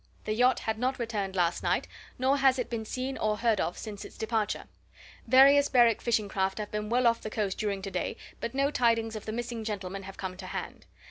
The yacht had not returned last night, nor has it been seen or heard of since its departure. Various Berwick fishing craft have been out well off the coast during today, but no tidings of the missing gentlemen have come to hand.